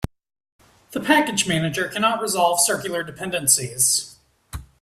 The package manager cannot resolve circular dependencies.